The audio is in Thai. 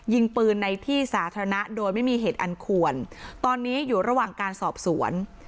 ยิงปืนในที่สาธารณะโดยไม่มีเหตุอันควรตอนนี้อยู่ระหว่างการสอบสวน